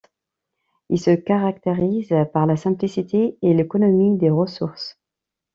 Il se caractérise par la simplicité et l’économie des ressources.